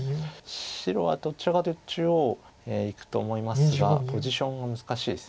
白はどちらかというと中央いくと思いますがポジションが難しいです。